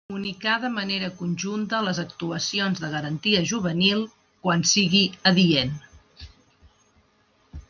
Comunicar de manera conjunta les actuacions de garantia juvenil, quan sigui adient.